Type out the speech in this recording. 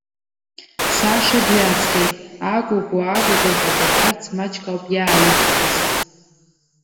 Саша дҩаҵҟьеит, акәыкәу, акәыкәу ҳәа дыҳәҳәарц маҷк ауп иааигхаз.